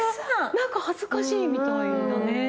何か恥ずかしいみたいだね。